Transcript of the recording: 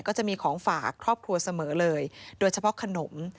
ก็จะมีของฝากครอบครัวเสมอเลยโดยเฉพาะขนม